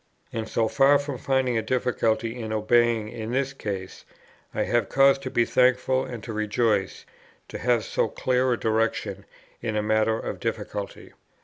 And so far from finding a difficulty in obeying in this case, I have cause to be thankful and to rejoice to have so clear a direction in a matter of difficulty.